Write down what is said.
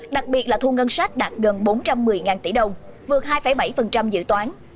đặc biệt là thu ngân sách đạt gần bốn trăm một mươi tỷ đồng vượt hai bảy dự toán